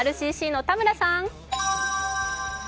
ＲＣＣの田村さん。